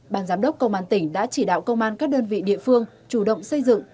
bàn giám đốc công an tỉnh đã chỉ đạo công an các đơn vị địa phương chủ động xây dựng